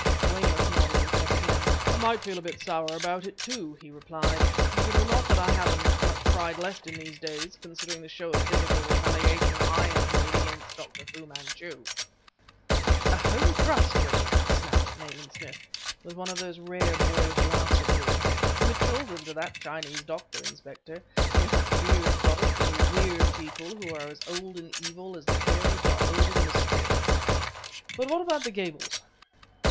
Weymouth nodded his head again. "I might feel a bit sour about it, too," he replied, "if it were not that I haven't much pride left in these days, considering the show of physical retaliation I have made against Dr. Fu Manchu." "A home thrust, Weymouth!" snapped Nayland Smith, with one of those rare, boyish laughs of his. "We're children to that Chinese doctor, Inspector, to that weird product of a weird people who are as old in evil as the pyramids are old in mystery. But about the Gables?"